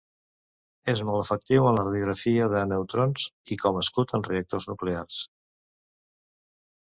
És molt efectiu en la radiografia de neutrons i com escut en reactors nuclears.